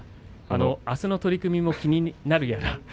あすの取組も気になるやら。